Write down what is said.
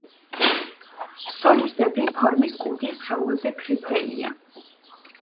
სოლისებრი ფორმის კუდი სხეულზე გრძელია.